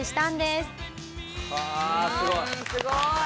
すごい！